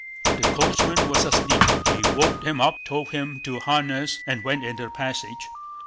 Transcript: The coachman was asleep. He woke him up, told him to harness, and went into the passage.